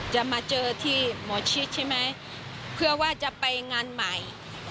จะมาเจอที่หมอชิดใช่ไหมเพื่อว่าจะไปงานใหม่